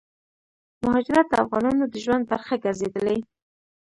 مهاجرت دافغانانو دژوند برخه ګرځيدلې